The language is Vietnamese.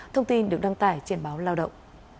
thông tin được đăng tải trên báo lao động